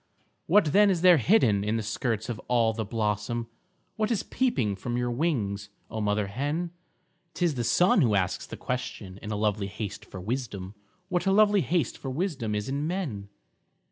What then is there hidden in the skirts of all the blossom, What is peeping from your wings, oh mother hen? 'T is the sun who asks the question, in a lovely haste for wisdom What a lovely haste for wisdom is in men?